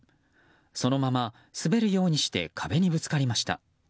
そのまま滑るようにして壁にぶつかりました。